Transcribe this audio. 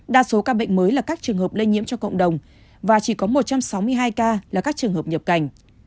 đa số ca bệnh mới là các trường hợp lây nhiễm cho cộng đồng và chỉ có một trăm sáu mươi hai ca là các trường hợp nhập cảnh